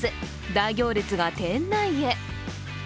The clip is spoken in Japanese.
大行列が店内へ。